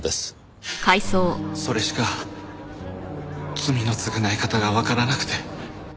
それしか罪の償い方がわからなくて。